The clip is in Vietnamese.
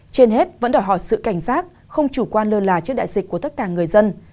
trên hết vẫn đòi hỏi sự cảnh giác không chủ quan lơ là trước đại dịch của tất cả người dân